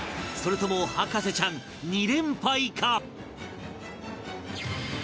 それとも博士ちゃん２連敗か？